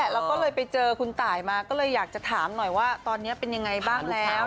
แล้วก็เลยไปเจอคุณตายมาก็เลยอยากจะถามหน่อยว่าตอนนี้เป็นยังไงบ้างแล้ว